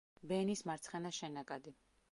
ბენის მარცხენა შენაკადი.